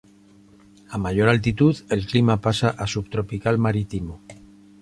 A mayor altitud el clima pasa a subtropical marítimo.